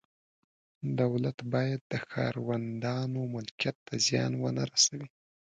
دولت باید د ښاروندانو ملکیت ته زیان نه ورسوي.